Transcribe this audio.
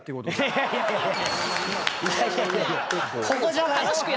いやいやいやいや。